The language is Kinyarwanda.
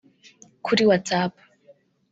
Kuri WhatsApp